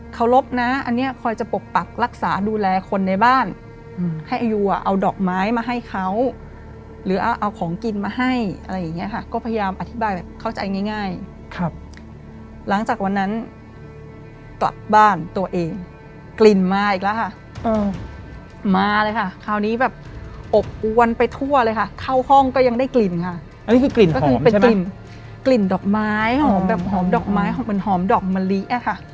รบนะอันนี้คอยจะปกปักรักษาดูแลคนในบ้านให้อายุอ่ะเอาดอกไม้มาให้เขาหรือเอาของกินมาให้อะไรอย่างเงี้ยค่ะก็พยายามอธิบายแบบเข้าใจง่ายครับหลังจากวันนั้นกลับบ้านตัวเองกลิ่นมาอีกแล้วค่ะมาเลยค่ะคราวนี้แบบอบอวนไปทั่วเลยค่ะเข้าห้องก็ยังได้กลิ่นค่ะอันนี้คือกลิ่นก็คือเป็นกลิ่นกลิ่นดอกไม้หอมแบบหอมดอกไม้หอมเหมือนหอมดอกมะลิอ่ะค่ะ